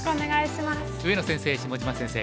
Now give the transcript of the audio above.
上野先生下島先生